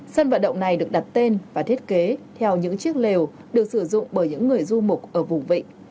sân vận động này được đặt tên và thiết kế theo những chiếc lều được sử dụng bởi những người du mục ở vùng vịnh